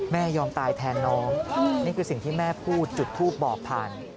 ยอมตายแทนน้องนี่คือสิ่งที่แม่พูดจุดทูปบอกผ่าน